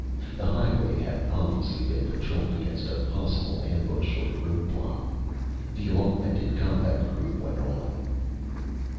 The highway had obviously been patrolled against a possible ambush or road block. The augmented combat group went on.